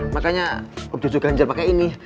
makanya om jojo ganjel pake ini